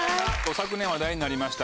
昨年話題になりました